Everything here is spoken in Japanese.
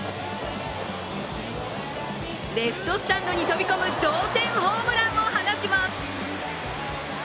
レフトスタンドに飛び込む同点ホームランを放ちます。